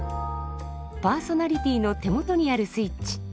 パーソナリティーの手元にあるスイッチ